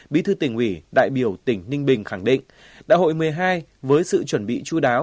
bí thư tỉnh ủy đại biểu tỉnh ninh bình khẳng định đại hội một mươi hai với sự chuẩn bị chú đáo